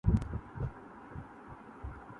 ہم بیاباں میں ہیں اور گھر میں بہار آئی ہے